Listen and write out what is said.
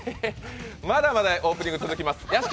まだまだオープニング続きます。